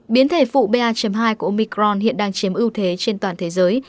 biến thể phụ ba hai của omicron hiện đang chiếm ưu thế trên toàn thế giới